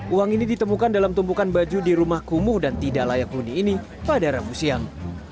uang ini ditemukan dalam tumpukan baju di rumah kumuh dan tidak layak huni ini pada rabu siang